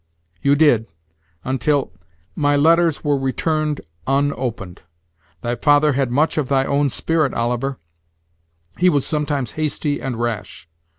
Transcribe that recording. "You did, until " "My letters were returned unopened. Thy father had much of thy own spirit, Oliver; he was sometimes hasty and rash."